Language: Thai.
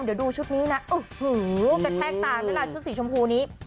เดี๋ยวดูชุดนี้นะโอ้โหจะแทกต่างด้วยล่ะชุดสีชมพูนี้